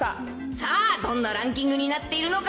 さあ、どんなランキングになっているのか。